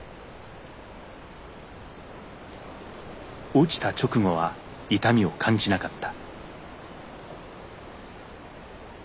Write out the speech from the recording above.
落ちた直後は痛みを感じなかった。